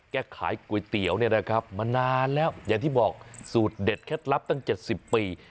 แก้ขายก๋วยเตี๋ยวมานานแล้วอย่างที่บอกสูตรเด็ดแค้นลับตั้ง๗๐ปี